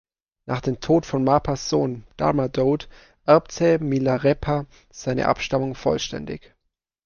Nach dem Tod von Marpas Sohn, Darma Dode, erbte Milarepa seine Abstammung vollständig.